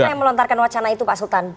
siapa yang melontarkan wacana itu pak sultan